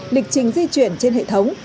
lịch trình di chuyển trên hệ thống